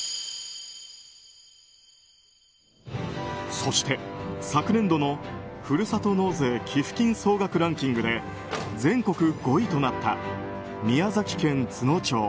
そして昨年度の、ふるさと納税寄付金総額ランキングで全国５位となった宮崎県都農町。